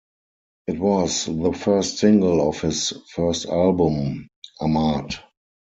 It was the first single off his first album, "Ahmad".